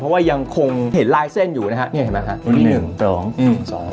เพราะว่ายังคงเห็นลายเส้นอยู่นะฮะนี่เห็นไหมฮะที่หนึ่งสองอืมสอง